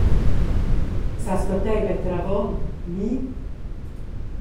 Sas matei metter avon, ni?